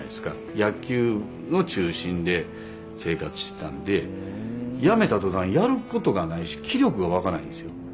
野球を中心で生活してたんでやめた途端やることがないし気力が湧かないんですよ。